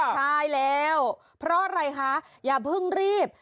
ใช่แล้วเพราะอะไรคะอย่าเพิ่งรีบ